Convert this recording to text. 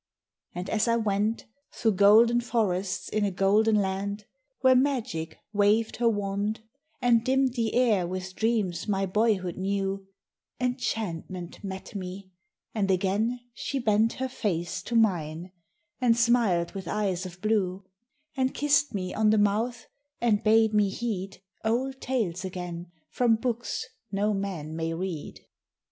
II And as I went Through golden forests in a golden land, Where Magic waved her wand And dimmed the air with dreams my boyhood knew, Enchantment met me; and again she bent Her face to mine, and smiled with eyes of blue, And kissed me on the mouth and bade me heed Old tales again from books no man may read.